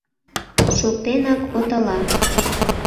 Шоктенак отала.